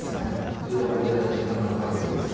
それは膨大な時間がかかるわけですよね。